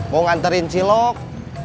mau nganterin cilok